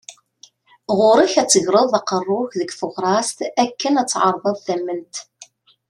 Ɣur-k ad tegreḍ aqerru-k deg teɣrast akken ad tεerḍeḍ tament.